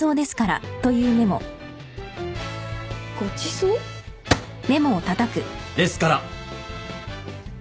ごちそう？ですから！